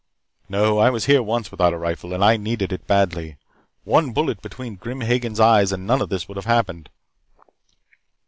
"No. I was here once without a rifle, and I needed it badly. One bullet between Grim Hagen's eyes and none of this would have happened."